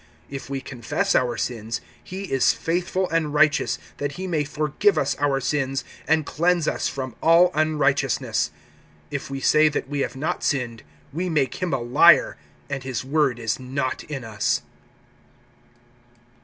(9)If we confess our sins, he is faithful and righteous, that he may forgive us our sins, and cleanse us from all unrighteousness. (10)If we say that we have not sinned, we make him a liar, and his word is not in us.